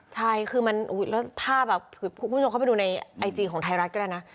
ใช่คือมันแล้วภาพคุณผู้ชมเข้าไปดูในไอจีของไทยรัฐก็ได้นะ